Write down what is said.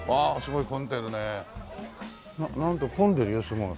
なんか混んでるよすごい。